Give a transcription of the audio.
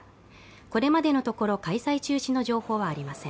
これまでのところ開催中止の情報はありません。